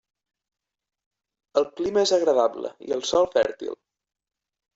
El clima és agradable, i el sòl fèrtil.